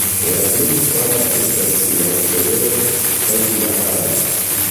La plej fama estas maŭzoleo Taĝ-Mahalo.